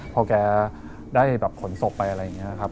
พอแกได้แบบขนศพไปอะไรอย่างนี้ครับ